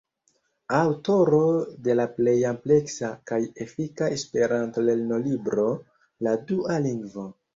Aŭtoro de la plej ampleksa kaj efika esperanto-lernolibro, "La dua lingvo".